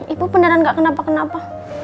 ibu beneran gak kenapa kenapa